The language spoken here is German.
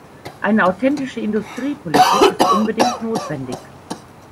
Eine authentische Industriepolitik ist unbedingt notwendig.